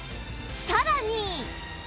さらに